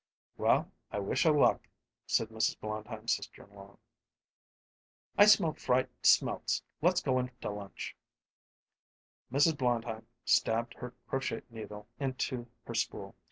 "Well, I wish her luck," said Mrs. Blondheim's sister in law. "I smell fried smelts. Let's go in to lunch." Mrs. Blondheim stabbed her crochet needle into her spool.